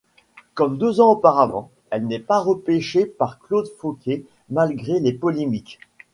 Comme deux ans auparavant, elle n'est pas repêchée par Claude Fauquet malgré les polémiques.